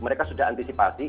mereka sudah antisipasi